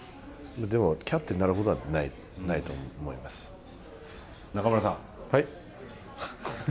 でも、キャプテンになることは中村さん。